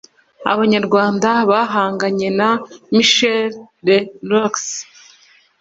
Abanyarwanda bahanganye na Michel le Roux